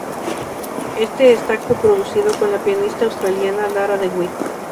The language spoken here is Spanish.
Este está co-producido con la pianista australiana Lara de Wit.